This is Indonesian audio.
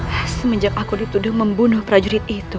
hai semenjak aku dituduh membunuh prajurit itu